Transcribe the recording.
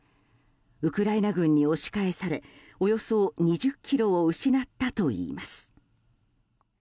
ウクライナ軍に押し返されおよそ２０ｋｍを失ったといいます。